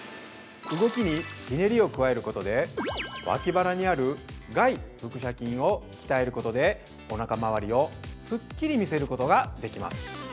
動きに、ひねりを加えることで脇腹にある外腹斜筋を鍛えることでおなか回りをすっきり見せることができます。